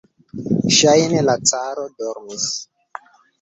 Ŝajne la caro dormis.